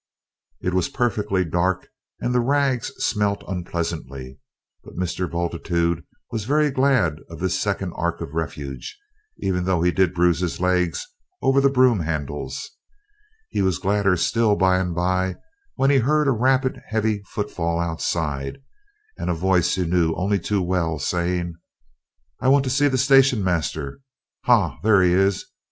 It was perfectly dark and the rags smelt unpleasantly, but Mr. Bultitude was very glad of this second ark of refuge, even though he did bruise his legs over the broom handles; he was gladder still by and by, when he heard a rapid heavy footfall outside, and a voice he knew only too well, saying, "I want to see the station master. Ha, there he is.